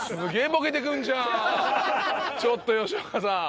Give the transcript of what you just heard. ちょっと吉岡さん。